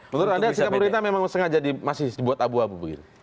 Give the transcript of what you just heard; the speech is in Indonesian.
menurut anda sikap pemerintah memang sengaja dibuat abu abu